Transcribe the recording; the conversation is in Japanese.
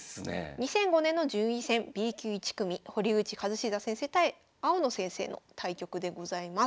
２００５年の順位戦Ｂ級１組堀口一史座先生対青野先生の対局でございます。